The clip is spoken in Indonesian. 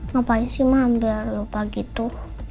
ngapain sih mama lupa gitu